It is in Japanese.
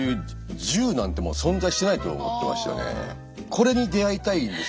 これに出会いたいんです